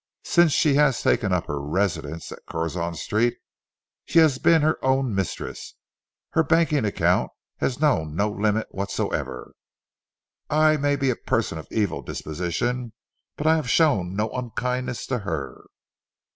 Since she has taken up her residence at Curzon Street, she has been her own mistress, her banking account has known no limit whatsoever. I may be a person of evil disposition, but I have shown no unkindness to her."